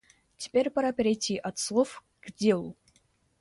Теперь пора перейти от слов к делу.